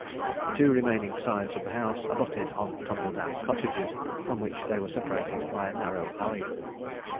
The two remaining sides of the house abutted on tumble down cottages, from which they were separated by a narrow alley.